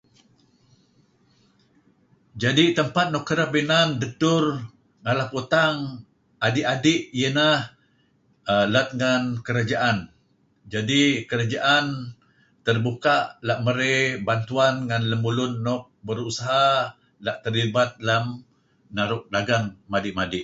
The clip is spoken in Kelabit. jadi tempat nuk kerab inan decur ngalap utang adi adi ieh neh [uan] let ngen kerajaan jadi kerajaan terbuka lak mere bantuan ngen lemulun nuk berusaha la terlibat lem naru dagang madi madi.